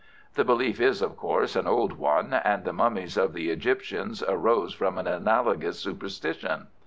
The belief is, of course, an old one, and the mummies of the Egyptians arose from an analogous superstition.